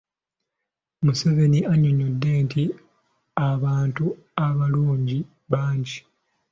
Museveni annyonnyodde nti abantu abalungi bangi.